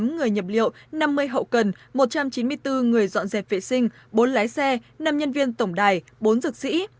hai trăm linh tám người nhập liệu năm mươi hậu cần một trăm chín mươi bốn người dọn dẹp vệ sinh bốn lái xe năm nhân viên tổng đài bốn dược sĩ